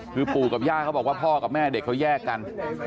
คือปู่กับย่าเขาบอกว่าพ่อกับแม่เด็กเขาแยกกัน